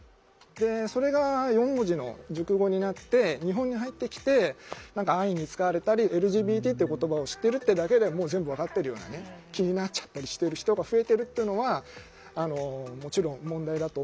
それが４文字の熟語になって日本に入ってきて何か安易に使われたりＬＧＢＴっていう言葉を知ってるってだけでもう全部分かってるような気になっちゃったりしてる人が増えてるっていうのはもちろん問題だと思ってます。